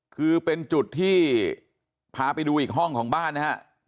คือเป็นจุดที่พาไปดูอีกห้องของบ้านนะฮะ